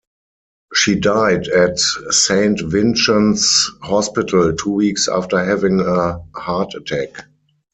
She died at Saint Vincent's Hospital, two weeks after having a heart attack.